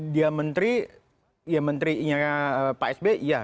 dia menteri ya menterinya pak sby iya